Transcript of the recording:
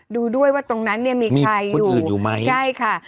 ดูด้วยว่าตรงนั้นเนี่ยมีใครอยู่ไหมใช่ค่ะ